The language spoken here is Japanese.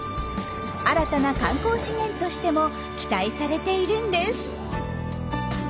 新たな観光資源としても期待されているんです。